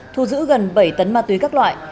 thu giữ gần bảy tấn ma túy các loại